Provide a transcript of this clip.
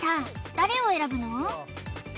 誰を選ぶの？